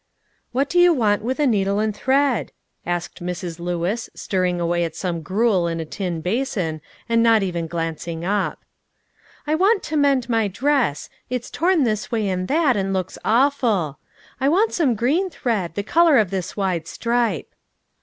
"What do you want with a needle and thread?" asked Mrs. Lewis, stirring away at some gruel in a tin basin, and not even glancing up. "I want to mend my dress; it's torn this way and that, and looks awful. I want some green thread, the colour of this wide stripe."